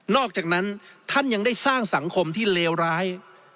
อกจากนั้นท่านยังได้สร้างสังคมที่เลวร้าย